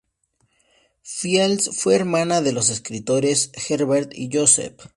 Fields fue hermana de los escritores Herbert y Joseph.